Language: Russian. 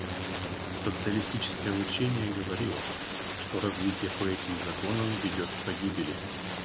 Социалистическое учение говорило, что развитие по этим законам ведет к погибели.